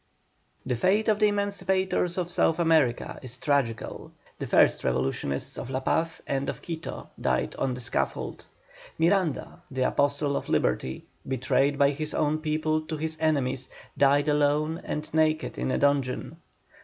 The fate of the emancipators of South America is tragical. The first revolutionists of La Paz and of Quito died on the scaffold. Miranda, the apostle of liberty, betrayed by his own people to his enemies, died alone and naked in a dungeon.